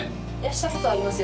したことありますよ